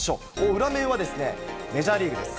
裏面はメジャーリーグです。